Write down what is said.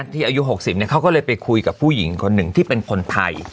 อายุ๖๐เขาก็เลยไปคุยกับผู้หญิงคนหนึ่งที่เป็นคนไทย